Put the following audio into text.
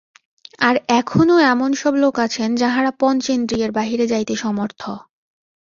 আর এখনও এমন সব লোক আছেন, যাঁহারা পঞ্চেন্দ্রিয়ের বাহিরে যাইতে সমর্থ।